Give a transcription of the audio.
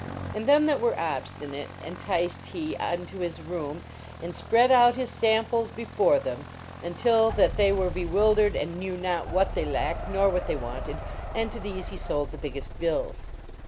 And them that were obstinate enticed he unto his room, and spread out his samples before them until that they were bewildered and knew not what they lacked nor what they wanted, and to these he sold the biggest bills.